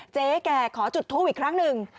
เจ๊แก่ขอจุดทูปอีกครั้งหนึ่ง